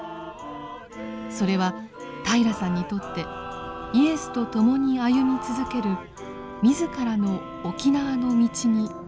それは平良さんにとってイエスと共に歩み続ける自らの沖縄の道につながっています。